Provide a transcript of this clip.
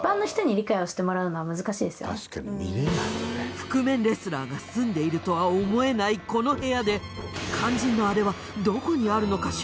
覆面レスラーが住んでいるとは思えないこの部屋で肝心のあれはどこにあるのかしら？